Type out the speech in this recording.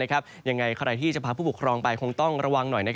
ยังไงใครที่จะพาผู้ปกครองไปคงต้องระวังหน่อย